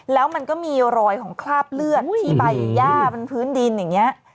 แล้วมันก็มีรอยของคราบเลือดที่ใบย่าบนพื้นดินอย่างนี้